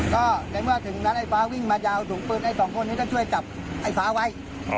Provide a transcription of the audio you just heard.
ก็ในเมื่อถึงนั้นไอ้ฟ้าวิ่งมายาวถุงปืนไอ้สองคนนี้ก็ช่วยจับไอ้ฟ้าไว้